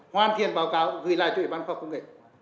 hoàn thiện báo cáo gửi lại cho ủy ban khoa học công nghệ